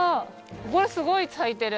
これすごい咲いてる。